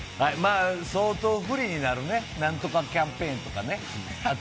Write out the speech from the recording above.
相当不利になるね、なんとかキャンペーンとかね、あと、